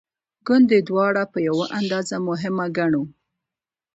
ګوندې دواړه په یوه اندازه مهمه ګڼو.